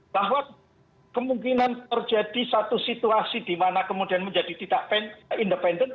bahwa kemungkinan terjadi satu situasi di mana kemudian menjadi tidak independen